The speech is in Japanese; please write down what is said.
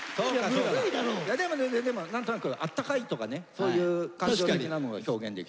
でもねでも何となくあったかいとかねそういう感情的なの表現できてたから。